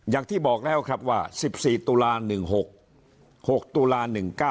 อย่างที่บอกแล้วครับว่า๑๔ตุลา๑๖๖ตุลา๑๙